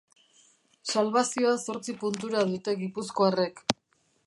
Salbazioa zortzi puntura dute gipuzkoarrek.